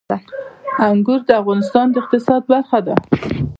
انګور د افغانستان د اقتصاد برخه ده.